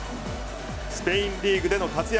スペインリーグでの活躍